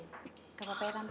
gak apa apa ya tante